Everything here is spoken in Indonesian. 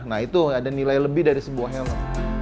nah itu ada nilai lebih dari sebuah helm